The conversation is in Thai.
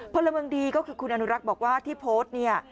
พลเมืองดีก็คือคุณอนุรักษ์บอกว่าที่โพสต์เนี่ย